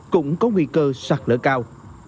cũng có nguy cơ sạt lở cao